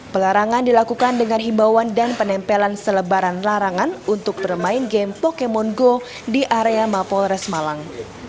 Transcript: pelarangan dilakukan dengan himbauan dan penempelan selebaran larangan untuk bermain game pokemon go di area mapol resmalang